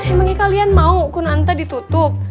emangnya kalian mau kunanta ditutup